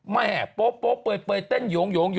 มาแห่โป๊คกเผยเต้นโหโห